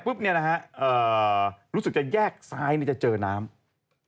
ซึ่งตอน๕โมง๔๕นะฮะทางหน่วยซิวได้มีการยุติการค้นหาที่